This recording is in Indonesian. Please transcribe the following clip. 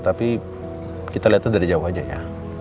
tapi kita liatnya dari jauh aja ya